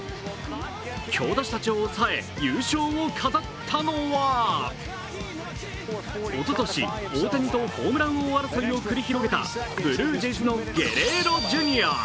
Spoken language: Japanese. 強打者たちを抑え、優勝を飾ったのはおととし、大谷とホームラン王争いを繰り広げたブルージェイズのゲレーロＪｒ．。